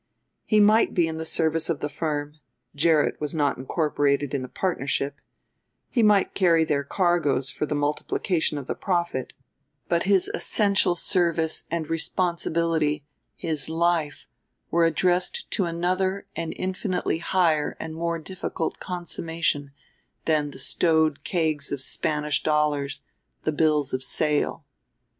He might be in the service of the firm Gerrit was not incorporated in the partnership he might carry their cargoes for the multiplication of the profit, but his essential service and responsibility, his life, were addressed to another and infinitely higher and more difficult consummation than the stowed kegs of Spanish dollars, the bills of sale.